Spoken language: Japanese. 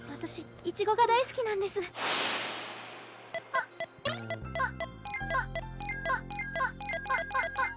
あっあっあっあっあっあっあっあっ。